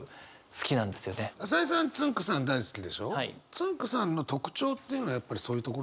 つんく♂さんの特徴っていうのはやっぱりそういうところ？